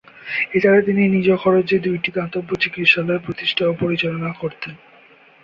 এছাড়া তিনি নিজ খরচে দুইটি দাতব্য চিকিৎসালয় প্রতিষ্ঠা ও পরিচালনা করতেন।